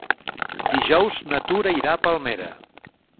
Dijous na Tura irà a Palmera.